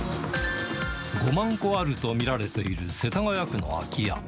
５万戸あると見られている世田谷区の空き家。